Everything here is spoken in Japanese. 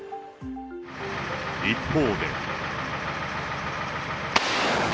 一方で。